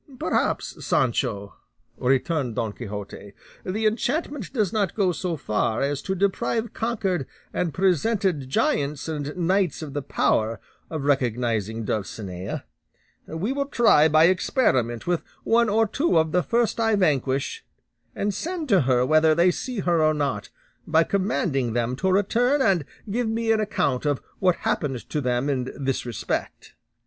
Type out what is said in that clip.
"Perhaps, Sancho," returned Don Quixote, "the enchantment does not go so far as to deprive conquered and presented giants and knights of the power of recognising Dulcinea; we will try by experiment with one or two of the first I vanquish and send to her, whether they see her or not, by commanding them to return and give me an account of what happened to them in this respect."